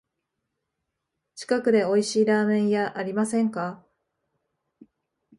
近くでおいしいラーメン屋ありませんか？